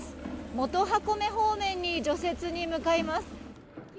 元箱根方面の除雪に向かいます。